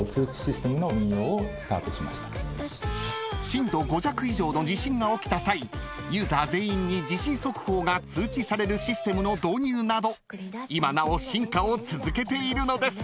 ［震度５弱以上の地震が起きた際ユーザー全員に地震速報が通知されるシステムの導入など今なお進化を続けているのです］